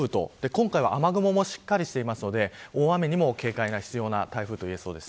今回は雨雲もしっかりしていますので大雨にも警戒が必要な台風です。